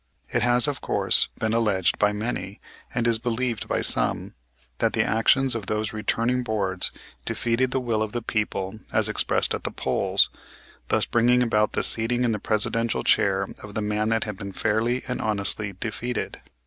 It has, of course, been alleged by many, and it is believed by some, that the actions of those Returning Boards defeated the will of the people as expressed at the polls, thus bringing about the seating in the Presidential chair of the man that had been fairly and honestly defeated.